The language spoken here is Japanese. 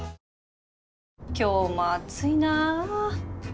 今日も暑いな